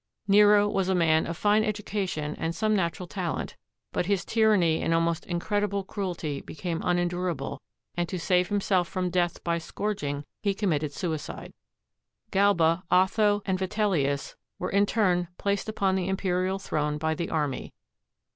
Nero was a man of fine education and some natural talent; but his tyranny and almost incredible cruelty became unendurable, and to save himself from death by scourging, he committed suicide. Galba, Otho, and Vitel lius were in turn placed upon the imperial throne by the army.